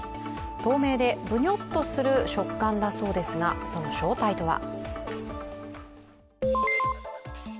透明でぶにょっとする触感だそうですが、その正体とは？